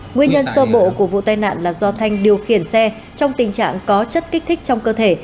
nguyên nhân sơ bộ của vụ tai nạn là do thanh điều khiển xe trong tình trạng có chất kích thích trong cơ thể